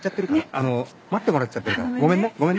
あの待ってもらっちゃってるからごめんねごめんね。